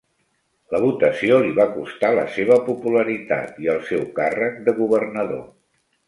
La votació li va costar la seva popularitat i el seu càrrec de governador.